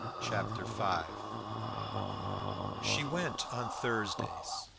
Chapter Five She went on Thursdays.